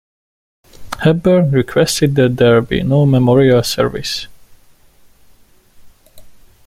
Hepburn requested that there be no memorial service.